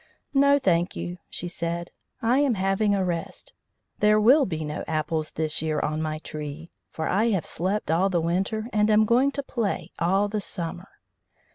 "No, thank you," she said; "I am having a rest; there will be no apples this year on my tree, for I have slept all the winter and am going to play all the summer."